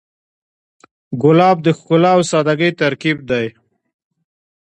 ګلاب د ښکلا او سادګۍ ترکیب دی.